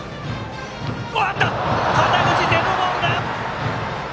肩口、デッドボールだ。